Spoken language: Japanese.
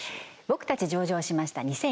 僕たち上場しました！